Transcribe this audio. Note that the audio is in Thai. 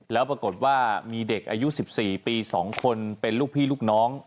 แล้วปรากฏว่ามีเด็กอายุ๑๔ปี๒คนเป็นลูกพี่ลูกน้อง